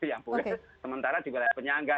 yang boleh sementara di wilayah penyangga